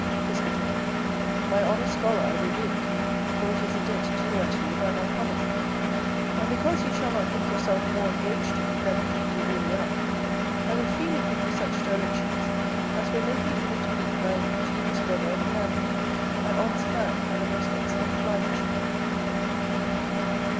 Piscator. My honest scholar, I will do it; for it is a debt due unto you by my promise. And because you shall not think yourself more engaged to me than indeed you really are, I will freely give you such directions as were lately given to me by an ingenious brother of the angle, an honest man, and a most excellent fly fisher.